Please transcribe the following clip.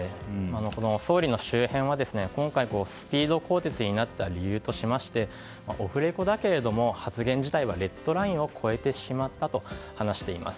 総理の周辺は、今回スピード更迭になった理由としてオフレコだけれども発言自体はレッドラインを越えてしまったと話しています。